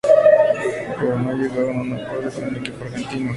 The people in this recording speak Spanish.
Pero no llegaron a un acuerdo con el equipo argentino.